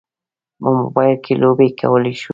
په موبایل کې لوبې کولی شو.